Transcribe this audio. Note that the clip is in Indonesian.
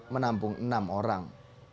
menampung enam orang